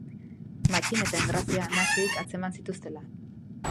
Matxin eta Engrazia nahasirik atzeman zituztela.